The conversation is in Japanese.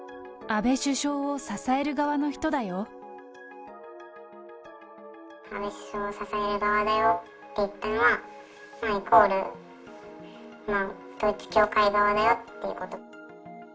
安倍首相を支える側だよって言ったのは、イコール統一教会側だよっていうこと。